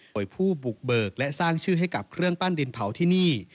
โดยผู้บุกเบิกและสร้างชื่อให้กับเครื่องปั้นดินเผาที่นี่